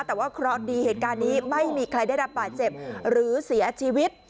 แต่ว่าเคราะห์ดีเหตุการณ์นี้ไม่มีใครได้รับบาดเจ็บหรือเสียชีวิต